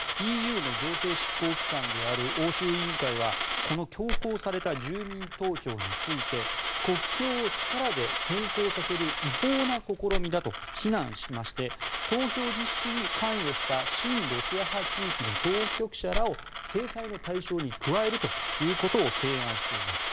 ＥＵの行政執行機関である欧州委員会はこの強行された住民投票について国境を力で変更させる違法な試みだと非難しまして投票実施に関与した親ロシア派地域の当局者らを制裁の対象に加えるということを提案しています。